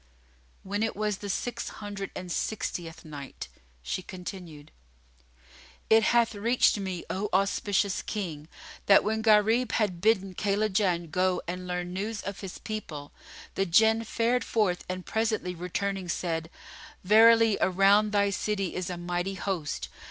When it was the Six Hundred and Sixtieth Night, She continued, It hath reached me, O auspicious King, that when Gharib had bidden Kaylajan go and learn news of his people, the Jinn fared forth and presently returning said, "Verily around thy city is a mighty host!"